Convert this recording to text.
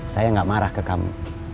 saya gak marah ke kamu